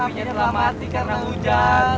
wihnya telah mati karena hujan